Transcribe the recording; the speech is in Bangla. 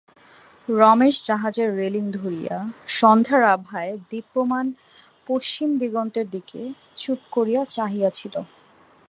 রমেশ জাহাজের রেলিং ধরিয়া সন্ধ্যার আভায় দীপ্যমান পশ্চিম দিগন্তের দিকে চুপ করিয়া চাহিয়া ছিল।